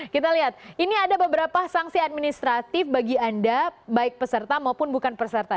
kita lihat ini ada beberapa sanksi administratif bagi anda baik peserta maupun bukan peserta